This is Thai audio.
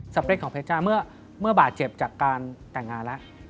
เปรคของเพจ้าเมื่อบาดเจ็บจากการแต่งงานแล้ว